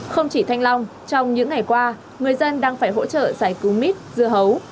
không chỉ thanh long trong những ngày qua người dân đang phải hỗ trợ giải cứu mít dưa hấu